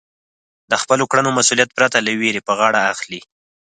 د خپلو کړنو مسؤلیت پرته له وېرې په غاړه اخلئ.